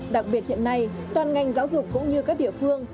đặc biệt hiện nay toàn ngành giáo dục cũng như các địa phương